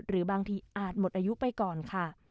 หรือบางทีอาจหมดอายุไปก่อนค่ะ